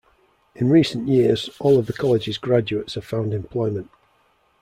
In recent years, all of the college's graduates have found employment.